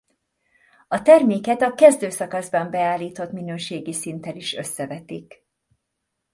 A terméket a kezdő szakaszban beállított minőségi szinttel is összevetik.